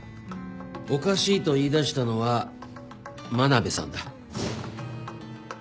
おかしいと言いだしたのは真鍋さんだ。